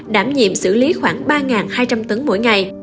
đảm nhiệm xử lý khoảng ba hai trăm linh tấn mỗi ngày